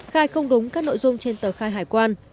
khai không đúng các nội dung trên tờ khai hải quan